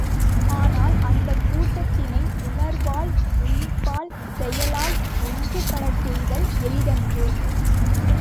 ஆனால், அந்தக் கூட்டத்தினை உணர்வால், உயிர்ப்பால் செயலால் ஒன்றுபடச் செய்தல் எளிதன்று.